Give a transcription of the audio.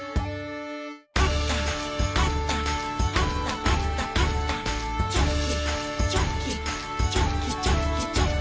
「パタパタパタパタパタ」「チョキチョキチョキチョキチョキ」